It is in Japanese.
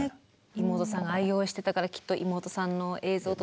妹さんが愛用してたからきっと妹さんの映像と共にね。